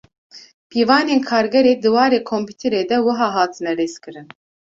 Pîvanên Kargerê di warê komputerê de wiha hatine rêzkirin.